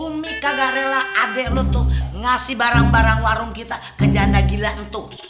umi kagak rela adek lutuh ngasih barang barang warung kita ke janda gila untuk